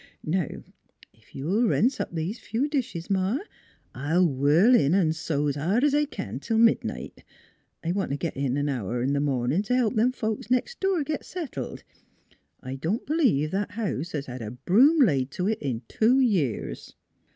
... Now, ef you'll rense up these few dishes, Ma, I'll whirl in an' sew 's hard 's I kin till midnight. I want t' git an hour in th' mornin' t' help them folks nex' door git settled. I don't b'lieve that house 's hed a broom laid to it in two years."